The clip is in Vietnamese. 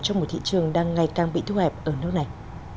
trong một thị trường đang ngày càng bị thu hẹp ở nước này